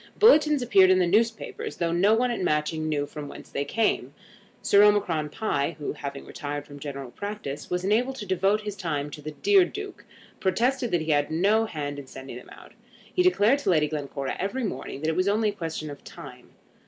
Bulletins appeared in the newspapers, though no one at Matching knew from whence they came. Sir Omicron Pie, who, having retired from general practice, was enabled to devote his time to the "dear Duke," protested that he had no hand in sending them out. He declared to Lady Glencora every morning that it was only a question of time.